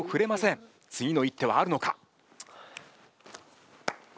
次の一手はあるのか？